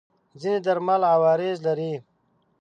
ځینې درمل عوارض لري.